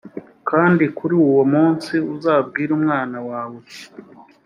kandi kuri uwo munsi uzabwire umwana wawe uti